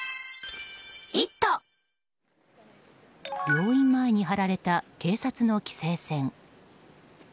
病院前に張られた警察の規制線。